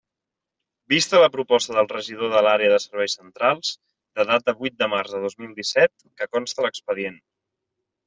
Vista la proposta del regidor de l'Àrea de Serveis Centrals, de data vuit de març de dos mil disset, que consta en l'expedient.